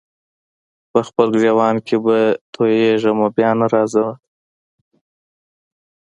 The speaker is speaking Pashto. په خپل ګرېوان کي به تویېږمه بیا نه راځمه